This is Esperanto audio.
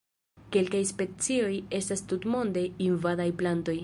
Kelkaj specioj estas tutmonde invadaj plantoj.